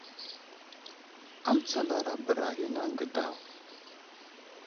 Amətsalara bəra a ghinaŋ age daw.